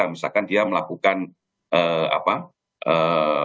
misalkan dia melakukan apa pinjaman ke luar negeri dan beberapa rate issue di pasar saham seperti itu